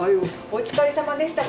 お疲れさまでした。